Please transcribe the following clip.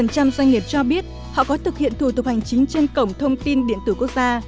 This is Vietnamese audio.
bốn mươi ba doanh nghiệp cho biết họ có thực hiện thủ tục hành chính trên cổng thông tin điện tử quốc gia